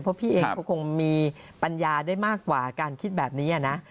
เพราะพี่เองก็คงมีปัญญาได้มากกว่าการคิดแบบนี้นะ